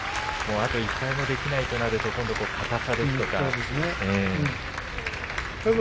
あと１敗もできないとなると、あと硬さですとか。